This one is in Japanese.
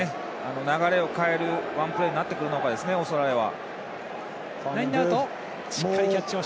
流れを変えるワンプレーになってくるのかですねオーストラリアは。